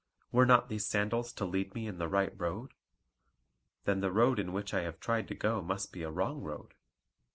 Were not these sandals to lead me in the right road? Then the road in which I have tried to go must be a wrong road."